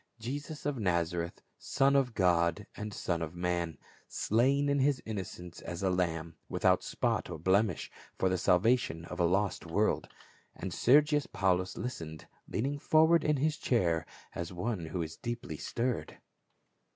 Jesus of Nazareth, Son of God and son of man, slain in his innocence, as a lamb without spot or blemish, for the salvation of a lost world. And Scrgius Paulus listened, leaning forward in his chair as one who is deeply stirred.